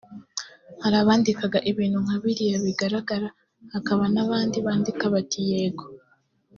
Hari abandikaga ibintu nka biriya bigaragara hakaba abandi bandikaga bati ‘Yego